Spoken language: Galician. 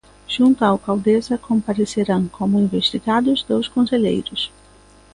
Xunto á alcaldesa, comparecerán como investigados dous concelleiros.